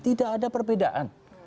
tidak ada perbedaan